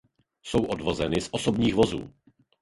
Jsou odvozeny z osobních vozů.